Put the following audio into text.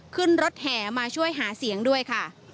ขึ้นรถแห่มาช่วยหาเสียงด้วยค่ะ